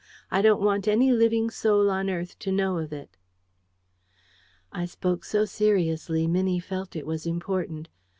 I don't want any living soul on earth to know of it." I spoke so seriously, Minnie felt it was important.